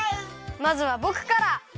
まずはぼくから！